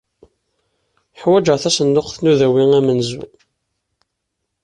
Ḥwajeɣ tasenduqt n udawi amenzu.